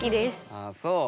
ああそう。